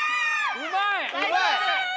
うまい！